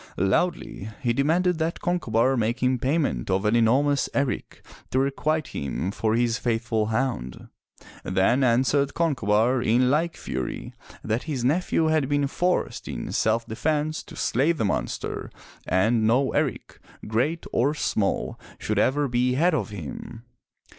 Loudly he demanded that Concobar make him payment of an enormous erici to requite him for his faithful hound. Then answered Con cobar in like fury that his nephew had been forced in self defense to slay the monster, and no eric, great or small, should ever be had of him.